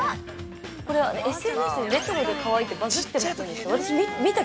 ◆これはＳＮＳでレトロでかわいいってバズってませんでした？